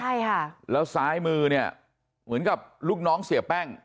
ใช่ค่ะแล้วซ้ายมือเนี่ยเหมือนกับลูกน้องเสียแป้ง